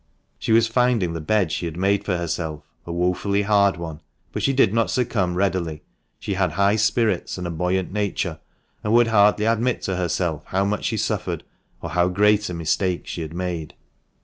She was finding the bed she had made for herself a woefully hard one ; but she did not succumb readily, she had high spirits and a buoyant nature, and would hardly admit to herself how much she suffered or how great a mistake she had made.